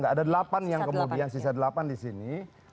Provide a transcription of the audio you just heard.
ada delapan yang kemudian sisa delapan di sini